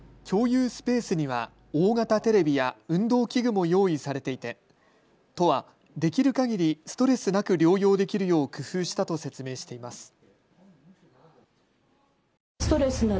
共有スペースには大型テレビや運動器具も用意されていて都は、できるかぎりストレスなく療養できるよう工夫したと説明しています。